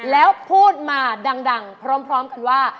แล้วพูดมาดังพร้อมกันว่า